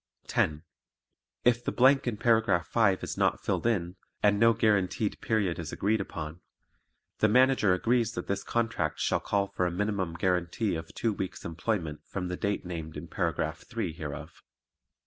10. If the blank in paragraph five is not filled in, and no guaranteed period is agreed upon, the Manager agrees that this contract shall call for a minimum guaranty of two weeks' employment from the date named in Paragraph three hereof.